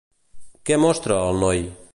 Què mostra, el noi?